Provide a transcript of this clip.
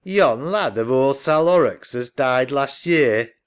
Yon lad of ould Sal Horrocks as died last year?